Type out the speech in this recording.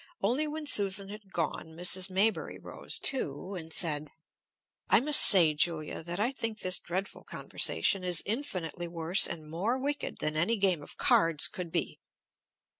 Only when Susan had gone, Mrs. Maybury rose, too, and said, "I must say, Julia, that I think this dreadful conversation is infinitely worse and more wicked than any game of cards could be!"